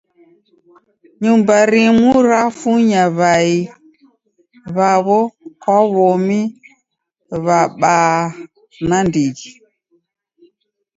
Nyumba rimu rafunya w'ai w'awo kwa w'omi w'abaa nandighi.